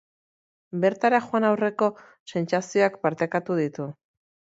Bertara joan aurreko sentsazioak partekatu ditu.